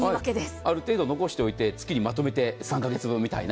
ある程度残しておいて、まとめて３か月分みたいな。